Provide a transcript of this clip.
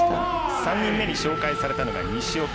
３人目に紹介されたのが西岡。